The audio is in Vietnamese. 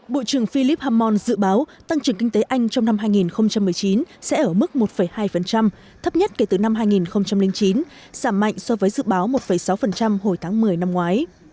bộ trưởng philip hammond dự báo tăng trưởng kinh tế anh trong năm hai nghìn một mươi chín sẽ ở mức một hai thấp nhất kể từ năm hai nghìn chín giảm mạnh so với dự báo một sáu hồi tháng một mươi năm ngoái